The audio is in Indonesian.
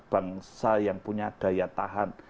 bangsa yang punya daya tahan